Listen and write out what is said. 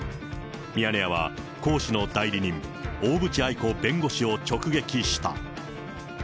ミヤネ屋は江氏の代理人、大渕愛子弁護士を直撃した。